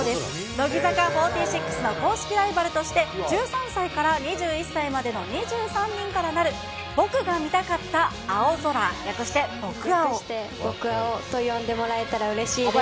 乃木坂４６の公式ライバルとして、１３歳から２１歳までの２３人からなる、僕が見たかった青空、略して、僕青と呼んでもらえたらうれしいです。